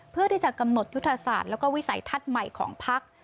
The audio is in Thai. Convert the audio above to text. เพื่อที่จะกำหนดยุทธศาสตร์แล้วก็วิสัยทัศน์ใหม่ของพัก